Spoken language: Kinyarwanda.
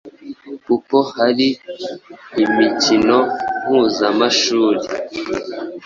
kuko hari imikino mpuzamashuri